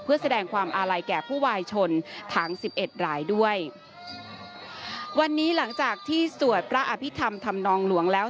เพื่อแสดงความอาลัยแก่ผู้วายชนทั้งสิบเอ็ดรายด้วยวันนี้หลังจากที่สวดพระอภิษฐรรมธรรมนองหลวงแล้ว